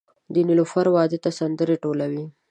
د نیلوفر واده ته سندرې ټولوي